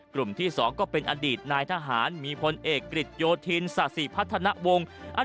กลุ่มที่๒ก็เป็นอดีตนายทหารมีพลเอกกฤษโยธินศาสิพัฒนวงศ์